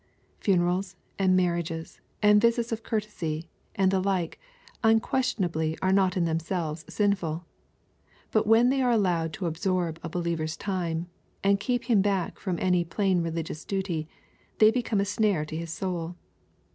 Funerals, and marriages, and visits of courtesy, and the like, unquestionably are not in themselves sinful* But when they are allowed to absorb a believer's time, and keep him back from any plain religious duty, they become a snare to his soul.